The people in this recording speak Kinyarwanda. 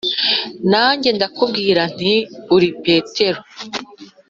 Nanjye ndakubwira nti ‘Uri Petero,